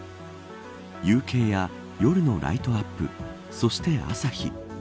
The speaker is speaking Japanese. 夕景や夜のライトアップそして朝日。